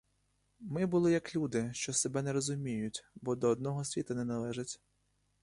Ми були, як люди, що себе не розуміють, бо до одного світа не належать.